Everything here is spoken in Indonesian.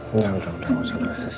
udah udah gak usah nangis